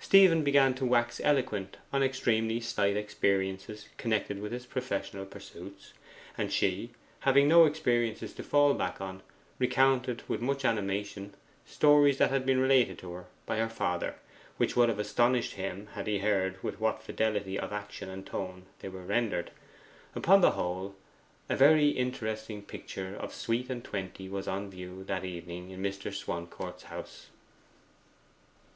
Stephen began to wax eloquent on extremely slight experiences connected with his professional pursuits; and she, having no experiences to fall back upon, recounted with much animation stories that had been related to her by her father, which would have astonished him had he heard with what fidelity of action and tone they were rendered. Upon the whole, a very interesting picture of Sweet and Twenty was on view that evening in Mr. Swancourt's house.